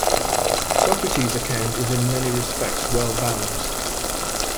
Socrates' account is in many respects well-balanced.